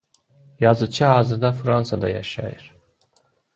Yazıçı hazırda Fransada yaşayır.